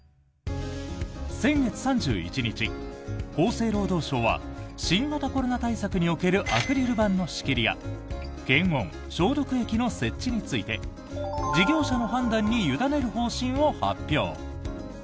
先月３１日、厚生労働省は新型コロナ対策におけるアクリル板の仕切りや検温、消毒液の設置について事業者の判断に委ねる方針を発表。